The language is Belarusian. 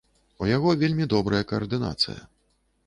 У яго вельмі добрая каардынацыя.